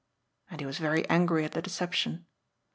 And he was very angry at the deception.